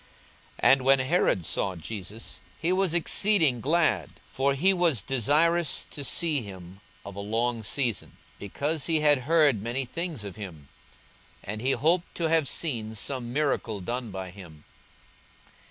42:023:008 And when Herod saw Jesus, he was exceeding glad: for he was desirous to see him of a long season, because he had heard many things of him; and he hoped to have seen some miracle done by him.